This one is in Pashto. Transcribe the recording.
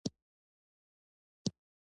بیا چې زه ور ووتم.